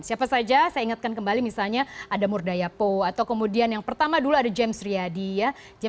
siapa saja saya ingatkan kembali misalnya ada murdayapo atau kemudian yang pertama dulu ada james riyadi ya